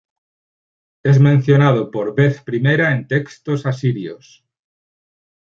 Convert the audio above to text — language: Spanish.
Es mencionado por vez primera en textos asirios.